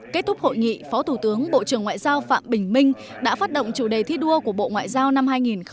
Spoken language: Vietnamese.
kết thúc hội nghị phó thủ tướng bộ trưởng ngoại giao phạm bình minh đã phát động chủ đề thi đua của bộ ngoại giao năm hai nghìn hai mươi